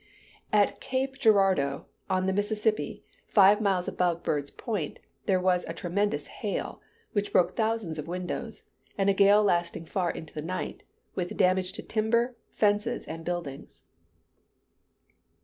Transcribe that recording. At Cape Girardeau, on the Mississippi, fifty miles above Bird's Point, there was a tremendous hail, which broke thousands of windows, and a gale lasting far into the night, with damage to timber, fences, and buildings.